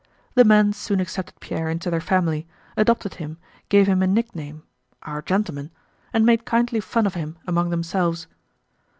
The men soon accepted Pierre into their family, adopted him, gave him a nickname ("our gentleman"), and made kindly fun of him among themselves.